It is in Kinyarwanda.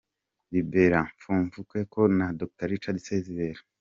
Liberat Mfumukeko na Dr Richard Sezibera